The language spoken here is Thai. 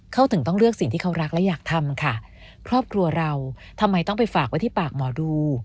เขาถึงต้องเลือกสิ่งที่เขารักและอยากทำค่ะครอบครัวเราทำไมต้องไปฝากไว้ที่ปากหมอดู